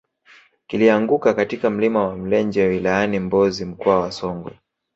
kilianguka katika mlima wa mlenje wilayani mbozi mkoa wa songwe